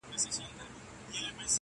o ستا په غېږ کي دوه ګلابه خزانېږي,